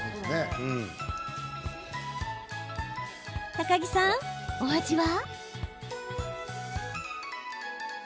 高城さん、お味は？